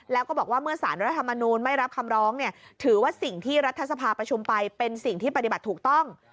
แล้วก็บอกว่าเมื่อสารรัฐมนูลไม่รับคำร้องเนี่ยถือว่าสิ่งที่รัฐสภาประชุมไปเป็นสิ่งที่ปฏิบัติถูกต้อง